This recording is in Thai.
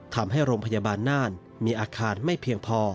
ทำให้โรงพยาบาลน่านมีอาคารไม่เพียงพอ